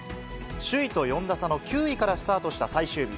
首位と４打差の９位からスタートした最終日。